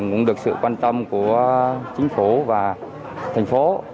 cũng được sự quan tâm của chính phủ và thành phố